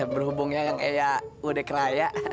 berhubungnya yang eya udah keraya